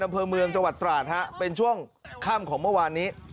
อำเภอเมืองจังหวัดตราดฮะเป็นช่วงค่ำของเมื่อวานนี้